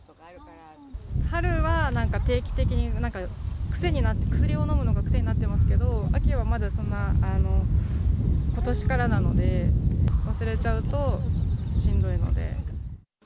春はなんか定期的に、なんかくせになって、薬飲むのが癖になっていますけど、秋はまだそんなことしからなので、忘れちゃうとしんどいので。